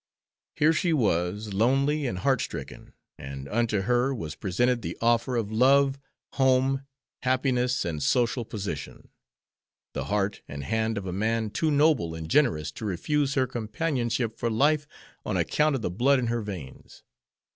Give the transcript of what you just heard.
Here she was lonely and heart stricken, and unto her was presented the offer of love, home, happiness, and social position; the heart and hand of a man too noble and generous to refuse her companionship for life on account of the blood in her veins.